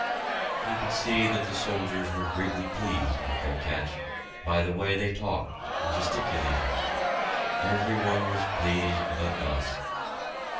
We could see that the soldiers were greatly pleased with their catch, by the way they talked and gesticulated. Every one was pleased but us!